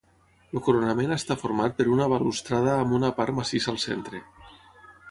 El coronament està format per una balustrada amb una part massissa al centre.